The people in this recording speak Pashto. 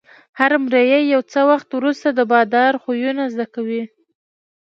هر مریی یو څه وخت وروسته د بادار خویونه زده کوي.